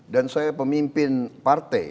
dan saya pemimpin partai